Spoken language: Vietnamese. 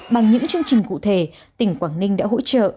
bằng những chương trình cụ thể tỉnh quảng ninh đã hỗ trợ